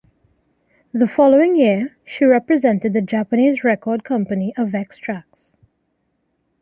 The following year, she represented the Japanese record company Avex Trax.